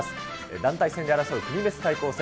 団体戦で争う国別対抗戦。